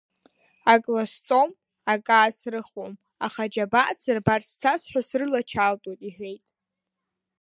Ак ласҵом, ак аасрыхуам, аха аџьабаа дсырбарц цасҳәа срылачалтуеит, — иҳәеит.